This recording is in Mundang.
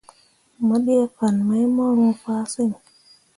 Mo ɗee fan mai mu roo fah siŋ.